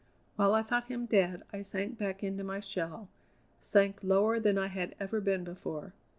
"While I thought him dead I sank back into my shell, sank lower than I had ever been before.